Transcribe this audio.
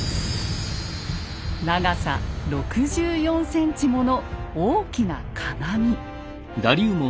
長さ６４ｃｍもの大きな鏡。